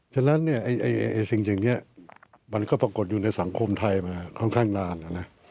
ฉะนั้นเนี่ยสิ่งอย่างนี้มันก็ปรากฏอยู่ในสังคมไทยมาค่อนข้างนาน